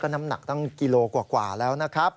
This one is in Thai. น้ำหนักตั้งกิโลกว่าแล้วนะครับ